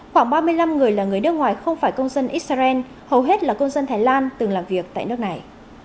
khoảng ba mươi năm người là người nước ngoài không phải công dân israel hầu hết là công dân thái lan từng làm việc tại nước này